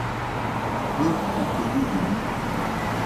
Peu est connu de lui.